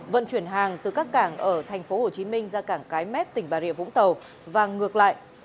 vận chuyển hàng từ các cảng ở tp hcm ra cảng cái mép tỉnh bà rịa vũng tàu và ngược lại